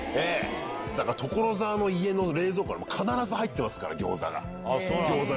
だから所沢の家の冷蔵庫には必ず入ってますから、ギョーザが。